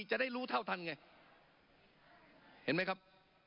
จะได้รู้เท่าทันไงเห็นไหมครับ